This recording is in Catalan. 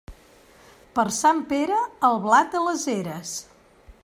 Per Sant Pere, el blat a les eres.